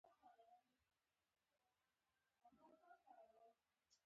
خلاقیت د انسان ځانګړې ځانګړنه ده.